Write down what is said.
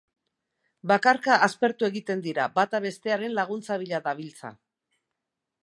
Bakarka aspertu egiten dira; bata bestearen laguntza bila dabiltza.